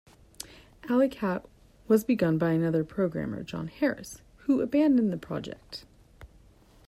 "Alley Cat" was begun by another programmer, John Harris, who abandoned the project.